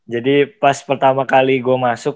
jadi pas pertama kali gue masuk